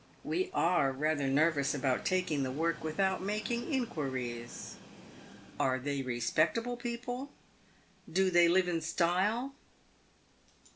We are rather nervous about taking the work without making inquiries. Are they respectable people ? Do they live in style